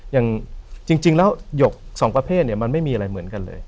อย่างจริงแล้วหยกสองประเภทเนี่ยมันไม่มีอะไรเหมือนกันเลย